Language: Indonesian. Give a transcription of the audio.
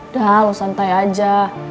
dah lo santai aja